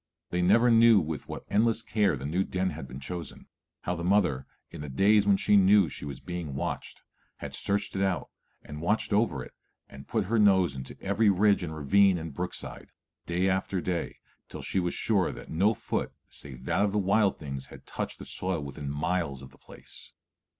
They never knew with what endless care the new den had been chosen; how the mother, in the days when she knew she was watched, had searched it out and watched over it and put her nose to every ridge and ravine and brook side, day after day, till she was sure that no foot save that of the wild things had touched the soil within miles of the place.